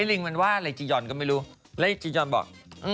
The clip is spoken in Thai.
ไอ่ลิงว่าระยะย่อนนะก็ไม่รู้และละยะย่อนบอก